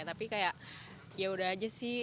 tapi kayak ya udah aja sih